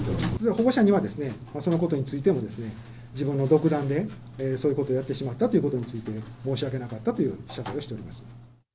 保護者には、そのことについても、自分の独断でそういうことをやってしまったということについて、申し訳なかったという謝罪をしております。